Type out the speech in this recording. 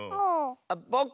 あっぼく？